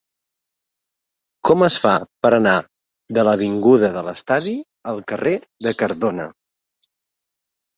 Com es fa per anar de l'avinguda de l'Estadi al carrer de Cardona?